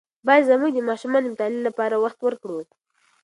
باید زموږ د ماشومانو د مطالعې لپاره وخت ورکړو.